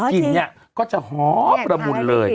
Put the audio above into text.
กินเนี่ยก็จะหอมระมุนเลย